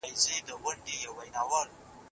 کندهار او هلمند یو دي.